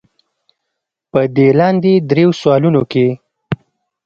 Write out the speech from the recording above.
پۀ دې لاندې درې سوالونو کښې